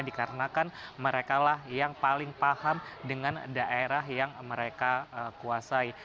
dikarenakan mereka lah yang paling paham dengan daerah yang mereka kuasai